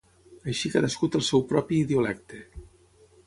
Així cadascú té el seu propi idiolecte.